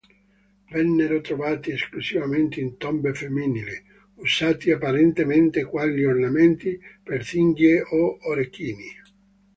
Vennero trovati esclusivamente in tombe femminili, usati apparentemente quali ornamenti per cinghie o orecchini.